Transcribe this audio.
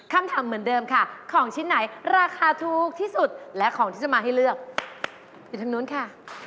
คำถามเหมือนเดิมค่ะของชิ้นไหนราคาถูกที่สุดและของที่จะมาให้เลือกอยู่ทางนู้นค่ะ